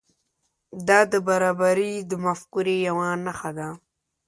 دا د برابري د مفکورې یو نښه ده.